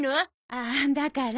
ああだから。